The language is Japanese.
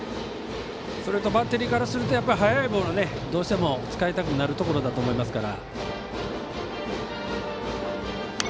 それとバッテリーからすると速いボールがどうしても使いたくなるところだと思います。